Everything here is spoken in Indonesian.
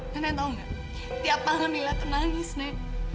nenek tau gak tiap malam nila tuh nangis nek